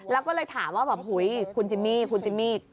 แล้วก็เลยถามว่าแบบคุณจิมมี่คุณจิมมี่